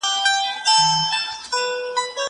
کېدای سي پلان غلط وي!!